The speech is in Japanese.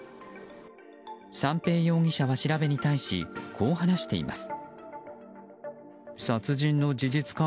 三瓶容疑者は調べに対しこう話しています。